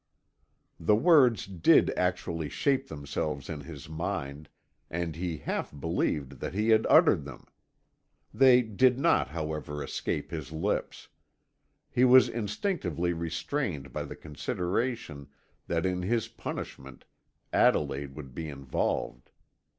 The words did actually shape themselves in his mind, and he half believed that he had uttered them. They did not, however, escape his lips. He was instinctively restrained by the consideration that in his punishment Adelaide would be involved.